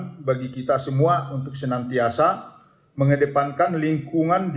terdapat tiga fokus utama untuk mendorong transformasi digital untuk mencapai pemulihan pasca pandemi